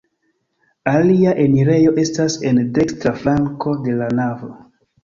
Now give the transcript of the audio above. Alia enirejo estas en dekstra flanko de la navo.